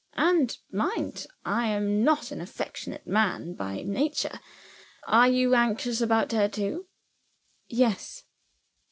And, mind, I am not an affectionate man by nature. Are you anxious about her too?" "Yes."